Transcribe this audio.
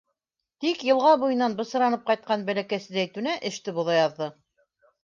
Тик йылға буйынан бысранып ҡайтҡан бәләкәс Зәйтүнә эште боҙа яҙҙы: